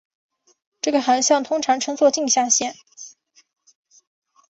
这个航向通常称作径向线。